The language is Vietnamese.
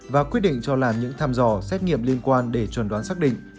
và quyết định cho làm những thăm dò xét nghiệm liên quan để chuẩn đoán xác định